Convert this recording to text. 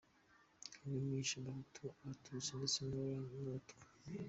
Kagame yishe abahutu, abatutsi ndetse n’abatwa.